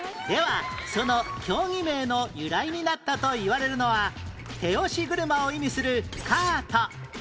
ではその競技名の由来になったといわれるのは手押し車を意味するカート